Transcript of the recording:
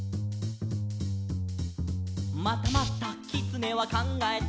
「またまたきつねはかんがえた」